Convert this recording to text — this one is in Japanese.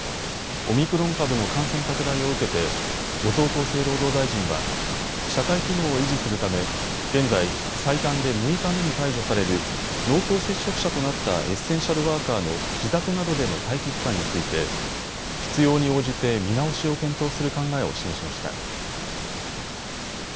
オミクロン株の感染拡大を受けて後藤厚生労働大臣は社会機能を維持するため現在、最短で６日目に解除される濃厚接触者となったエッセンシャルワーカーの自宅などでの待機期間について必要に応じて見直しを検討する考えを示しました。